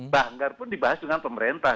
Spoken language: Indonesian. banggar pun dibahas dengan pemerintah